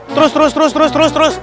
terus terus terus terus